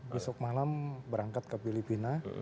besok malam berangkat ke filipina